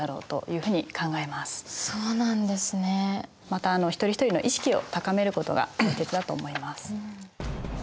また一人一人の意識を高めることが大切だと思います。